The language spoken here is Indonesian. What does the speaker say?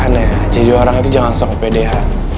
nah jadi orang itu jangan sok pedean